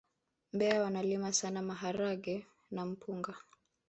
mbeya wanalima sana maharage na mpunga